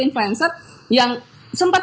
influencer yang sempat